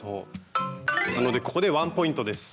なのでここでワンポイントです。